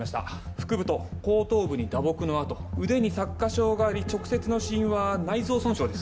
腹部と後頭部に打撲の痕腕に擦過傷があり直接の死因は内臓損傷です。